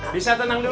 bisa tenang dulu